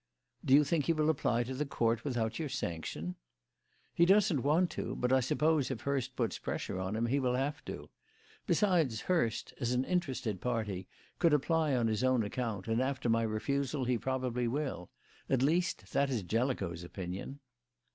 "Do you think he will apply to the Court without your sanction?" "He doesn't want to; but I suppose, if Hurst puts pressure on him, he will have to. Besides, Hurst, as an interested party, could apply on his own account, and after my refusal he probably will; at least, that is Jellicoe's opinion."